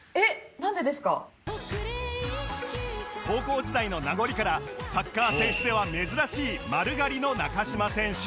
高校時代の名残からサッカー選手では珍しい丸刈りの中島選手